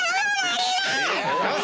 よし！